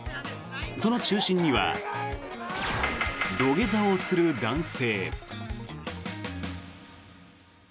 その中心には土下座をする男性。